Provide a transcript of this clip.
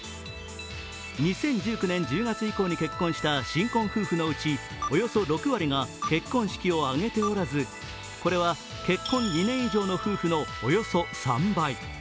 ２０１９年１０月以降に結婚した新婚夫婦のうちおよそ６割が結婚式を挙げておらず、これは結婚２年以上の夫婦のおよそ３倍。